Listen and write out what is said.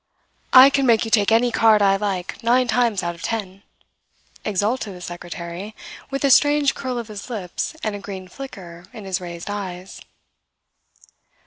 "I can make you take any card I like nine times out of ten," exulted the secretary, with a strange curl of his lips and a green flicker in his raised eyes.